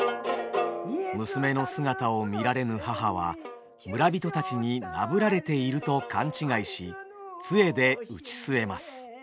娘の姿を見られぬ母は村人たちになぶられていると勘違いしつえで打ち据えます。